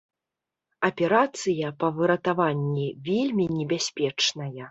Аперацыя па выратаванні вельмі небяспечная.